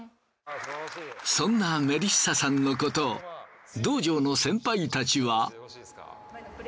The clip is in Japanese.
そんなメリッサさんのことを道場の先輩たちは。